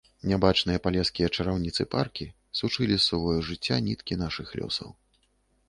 Нябачныя палескія чараўніцы-паркі сучылі з сувою жыцця ніткі нашых лёсаў.